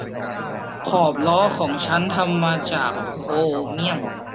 ขอบล้อของฉันทำจากโครเมี่ยม